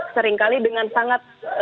seringkali dengan sangat